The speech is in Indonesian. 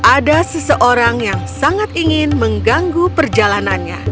ada seseorang yang sangat ingin mengganggu perjalanannya